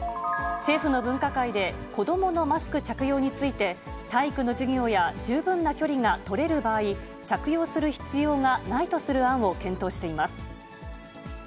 政府の分科会で、子どものマスク着用について、体育の授業や十分な距離が取れる場合、着用する必要がないとする案を検討しています。